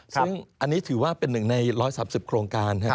ซึ่งอันนี้ถือว่าเป็นหนึ่งใน๑๓๐โครงการ